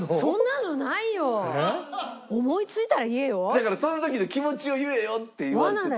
だから「その時の気持ちを言えよ」って言われてた。